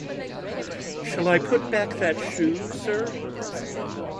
Shall I put back that shoe, sir?